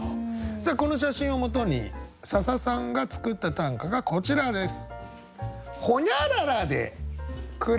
さあこの写真をもとに笹さんが作った短歌がこちらです。